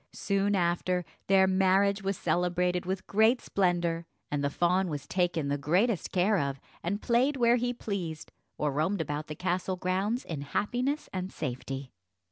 Soon after, their marriage was celebrated with great splendour, and the fawn was taken the greatest care of, and played where he pleased, or roamed about the castle grounds in happiness and safety.